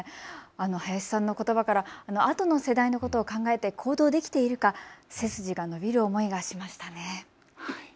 林さんのことばから、後の世代のことを考えて行動できているか、背筋が伸びる思いがしました。